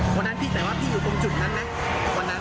แต่ว่าพี่อยู่ตรงจุดนั้นไหม